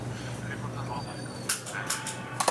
خلګ د پيغورونو له ويري رواجونه کوي.